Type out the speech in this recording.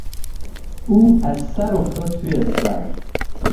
او از سر افتاد توی استخر.